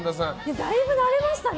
だいぶ慣れましたね